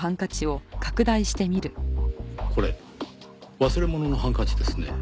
これ忘れもののハンカチですねぇ。